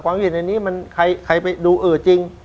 ความคิดเห็นนี้มันใครไปดูเออจริง